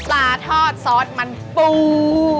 ปลาทอดซอสมันปู